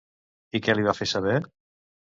I què li va fer saber?